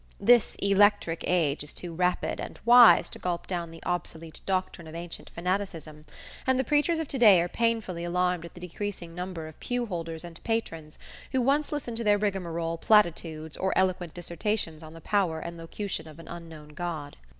This electric age is too rapid and wise to gulp down the obsolete doctrine of ancient fanaticism, and the preachers of to day are painfully alarmed at the decreasing number of pewholders and patrons, who once listened to their rigmarole platitudes or eloquent dissertations on the power and locution of an unknown God.